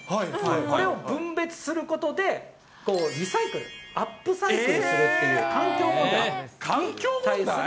これを分別することで、リサイクル、アップサイクルするっていう環境問題に対する。